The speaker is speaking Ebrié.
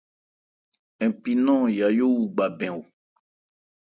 Npi nɔn Yayó wu gba bɛn.